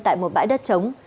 tại một bãi đất chống